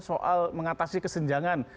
soal mengatasi kesenjangan